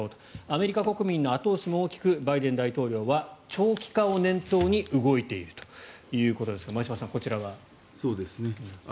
アメリカ国民の後押しも大きくバイデン大統領は長期化を念頭に動いているということですが前嶋さん、こちらは。